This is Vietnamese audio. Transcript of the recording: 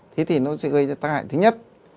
thế thì nó sẽ gây ra tai hại thứ nhất